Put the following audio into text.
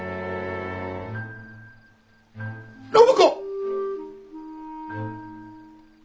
暢子！